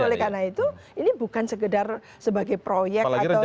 oleh karena itu ini bukan sekedar sebagai proyek atau